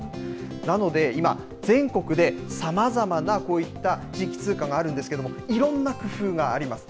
なので、今、全国でさまざまなこういった地域通貨があるんですけれども、いろんな工夫があります。